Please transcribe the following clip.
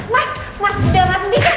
mas mas udah masuk dikit